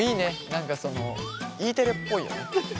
何かそのＥテレっぽいよね。